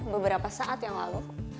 beberapa saat yang lalu